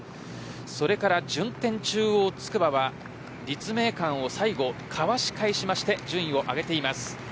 それから順天、中央、筑波は立命館を最後かわしまして順位上げています。